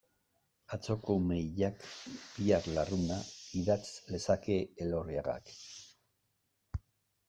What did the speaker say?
Atzoko ume hilak, bihar lurruna, idatz lezake Elorriagak.